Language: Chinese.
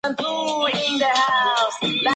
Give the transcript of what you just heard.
普拉邦雷波人口变化图示